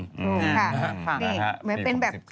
เหมือนเป็นแบบ